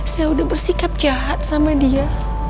saya udah bersikap jahat sama dia